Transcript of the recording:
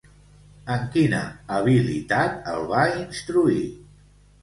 En quina habilitat el va instruir?